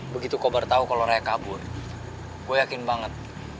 begitu kobar tau kalo raya kabur gue yakin banget